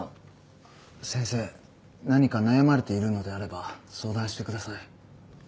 先生何か悩まれているのであれば相談してください。